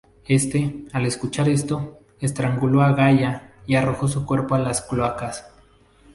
Éste, al escuchar esto, estranguló a Gaia y arrojó su cuerpo a las cloacas.